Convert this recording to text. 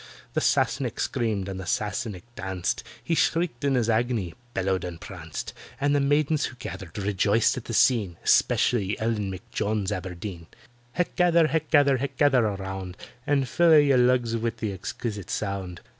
The Sassenach screamed, and the Sassenach danced; He shrieked in his agony—bellowed and pranced; And the maidens who gathered rejoiced at the scene— Especially ELLEN M'JONES ABERDEEN. "Hech gather, hech gather, hech gather around; And fill a' ye lugs wi' the exquisite sound.